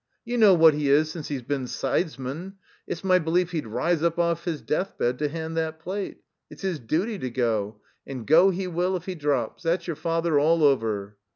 You know what He is since He's been sidesman. It's my belief He'd rise up off his deathbed to hand that plate. It's his duty to go, and go He will if He drops. That's your father all over."